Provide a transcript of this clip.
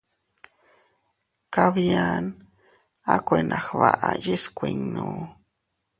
Kabia a kuena gbaʼa yiʼi skuinnu.